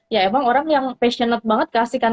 ya emang orang yang passionate banget keasikan